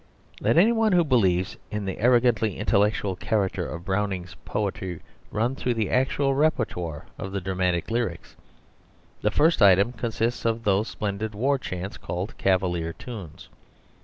Let any one who believes in the arrogantly intellectual character of Browning's poetry run through the actual repertoire of the Dramatic Lyrics. The first item consists of those splendid war chants called "Cavalier Tunes."